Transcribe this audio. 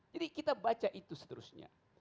jadi kita baca itu seterusnya